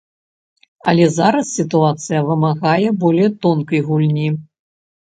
Але зараз сітуацыя вымагае болей тонкай гульні.